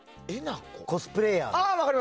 コスプレーヤー。